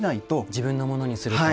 自分のものにすると。